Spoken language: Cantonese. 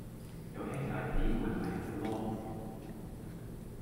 有兄弟姐妹咪好囉